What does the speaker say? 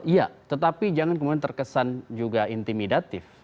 iya tetapi jangan kemudian terkesan juga intimidatif